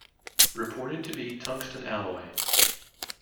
Reported to be tungsten alloy.